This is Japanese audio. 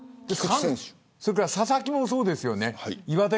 それから佐々木もそうですよね。